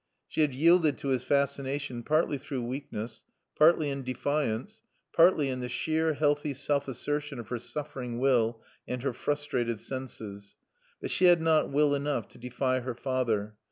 She had yielded to his fascination partly through weakness, partly in defiance, partly in the sheer, healthy self assertion of her suffering will and her frustrated senses. But she had not will enough to defy her father.